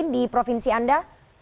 di provinsi anda